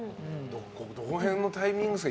どの辺のタイミングですか？